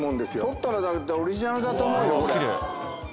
取ったらオリジナルだと思うよ。